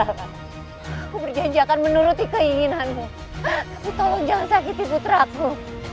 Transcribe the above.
aku berjanjakan menuruti keinginanmu aku tolong jasakiti putraku